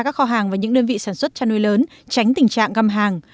các kho hàng và những đơn vị sản xuất chăn nuôi lớn tránh tình trạng găm hàng